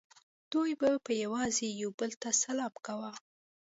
دوی به یوازې یو بل ته سلام کاوه